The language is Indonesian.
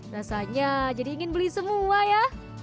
rasanya jadi ingin beli semua ya